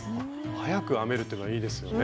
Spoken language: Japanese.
速く編めるというのはいいですよね。